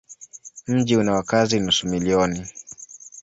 Mji una wakazi nusu milioni.